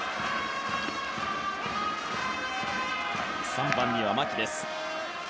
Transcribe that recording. ３番には牧です。